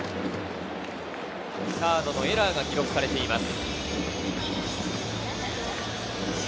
サードのエラーが記録されています。